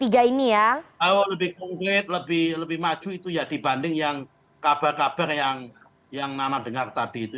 oh lebih konkret lebih maju itu ya dibanding yang kabar kabar yang nama dengar tadi itu